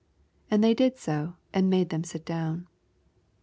15 And they did so, and made them all sit down.